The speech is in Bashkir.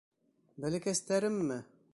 Бәләкәстәремме?